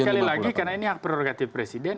tapi kan sekali lagi karena ini hak prerogatif presiden